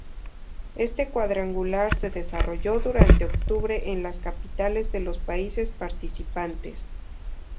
Este cuadrangular se desarrolló durante octubre en las capitales de los países participantes.